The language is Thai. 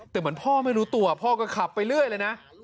แต่เหมือนพ่อไม่รู้ตัวพ่อก็ขับไปเรื่อยเลยนะ